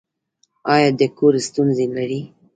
ایا د کور ستونزې لرئ؟